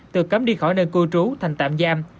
từ cấm đi khỏi nơi cư trú thành tạm giam